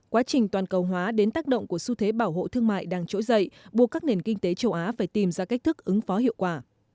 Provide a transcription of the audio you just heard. quá trình toàn cầu hóa đến tác động của xu thế bảo hộ thương mại đang trỗi dậy buộc các nền kinh tế châu á phải tìm ra cách thức ứng phó hiệu quả